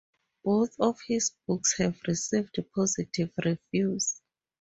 Both of his books have received positive reviews.